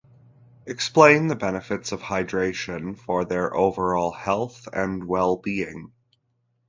Explain the benefits of hydration for their overall health and well-being.